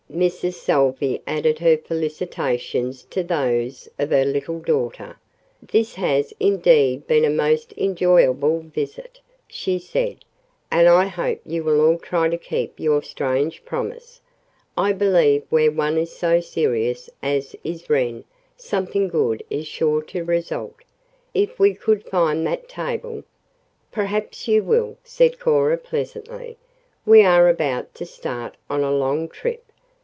Mrs. Salvey added her felicitations to those of her little daughter. "This has indeed been a most enjoyable visit," she said, "and I hope you will all try to keep your strange promise. I believe where one is so serious as is Wren something good is sure to result. If we could find that table " "Perhaps you will," said Cora pleasantly. "We are about to start on a long trip.